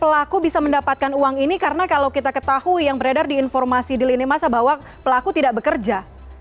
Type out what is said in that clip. pelaku bisa mendapatkan uang ini karena kalau kita ketahui yang beredar di informasi di lini masa bahwa pelaku tidak bekerja